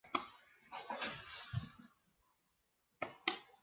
Radio, cine, televisión, música popular eran el nuevo mito ilustrado.